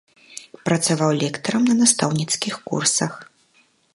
Працаваў лектарам на настаўніцкіх курсах.